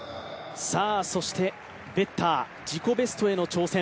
そしてベッター、自己ベストへの挑戦。